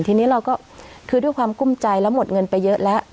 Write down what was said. ทีนี้เราก็คือด้วยความกุ้มใจแล้วหมดเงินไปเยอะแล้ว